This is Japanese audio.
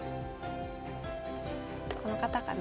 この方かな？